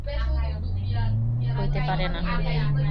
হতেই পারে না।